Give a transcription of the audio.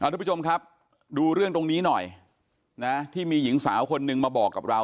ทุกผู้ชมครับดูเรื่องตรงนี้หน่อยนะที่มีหญิงสาวคนนึงมาบอกกับเรา